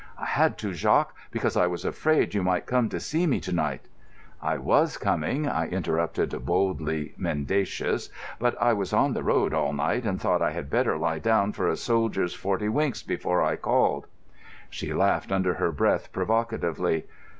"I had to, Jacques, because I was afraid you might come to see me to night——" "I was coming," I interrupted, boldly mendacious, "but I was on the road all night, and thought I had better lie down for a soldier's forty winks before I called." She laughed under her breath provocatively.